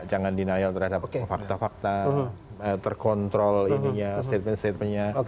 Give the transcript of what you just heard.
jangan denial terhadap fakta fakta terkontrol ininya statement statementnya